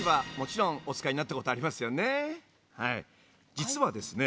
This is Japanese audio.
実はですね